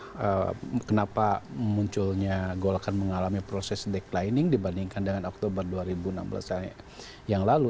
nah seperti yang sudah saya katakan karena ini adalah hal yang tidak munculnya golkar mengalami proses declining dibandingkan dengan oktober dua ribu enam belas yang lalu